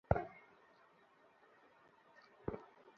মা সেটা জানতে পারলে স্ট্রোক করে মারা যাবে।